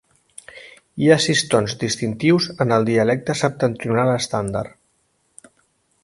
Hi ha sis tons distintius en el dialecte septentrional estàndard.